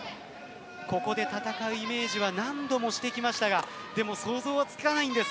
ここで戦うイメージは何度もしてきましたがでも、想像はつかないんです。